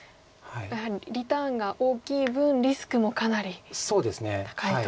やはりリターンが大きい分リスクもかなり高いと。